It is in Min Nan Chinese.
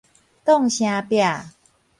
擋聲壁